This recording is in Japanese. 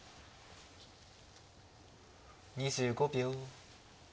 ２５秒。